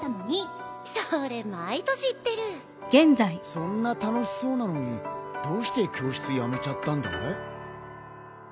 そんな楽しそうなのにどうして教室やめちゃったんだい？